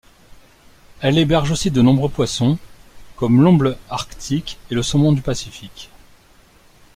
Elle héberge aussi de nombreux poissons comme l'omble arctique, et le saumon du Pacifique.